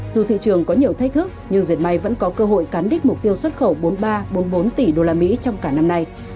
dù thị trường có nhiều thách thức nhưng dệt may vẫn có cơ hội cán đích mục tiêu xuất khẩu bốn mươi ba bốn mươi bốn tỷ usd trong cả năm nay